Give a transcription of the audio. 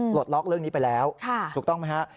ล็อกเรื่องนี้ไปแล้วถูกต้องไหมฮะ